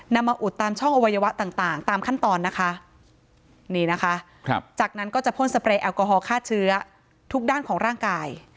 มาอุดตามช่องอวัยวะต่างตามขั้นตอนนะคะนี่นะคะจากนั้นก็จะพ่นสเปรย์แอลกอฮอลฆ่าเชื้อทุกด้านของร่างกาย